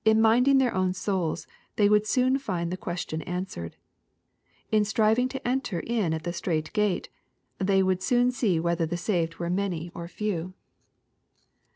In minding their own souls, they would soon find the question answered. In striving to enter in at the strait gate the} would soon see whether the saved were manj or few.